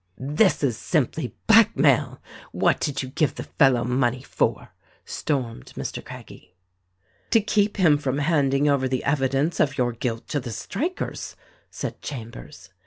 "This is simply blackmail ! What did you give the fellow money for?" stormed Mr. Craggie. "To keep him from handing over the evidence of your guilt to the strikers," said Chambers.